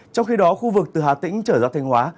trong khi đó khu vực từ hà tĩnh trở ra thành hóa